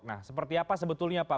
nah seperti apa sebetulnya pak